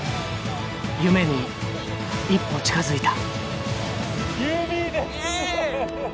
夢に一歩近づいた。